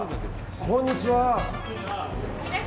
こんにちは。